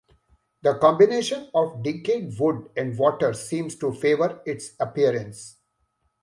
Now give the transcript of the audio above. The combination of decayed wood and water seems to favor its appearance.